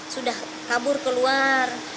sudah kabur keluar